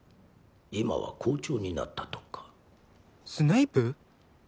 今は校長になったとかスネイプ？